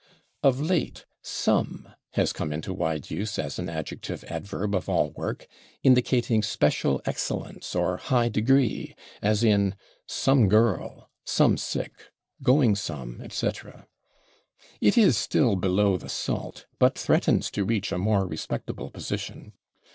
Of late /some/ has come into wide use as an adjective adverb of all work, indicating special excellence or high degree, as in /some girl/, /some sick/, /going some/, etc. It is still below the salt, but threatens to reach a more respectable position.